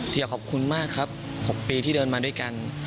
อยากขอบคุณมากครับ๖ปีที่เดินมาด้วยกัน